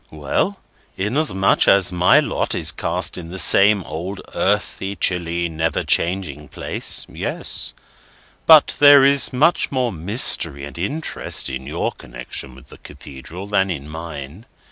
"Well! inasmuch as my lot is cast in the same old earthy, chilly, never changing place, Yes. But there is much more mystery and interest in your connection with the Cathedral than in mine.